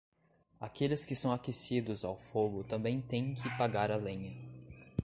Aqueles que são aquecidos ao fogo também têm que pagar a lenha.